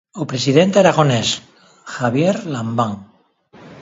O presidente aragonés, Javier Lambán.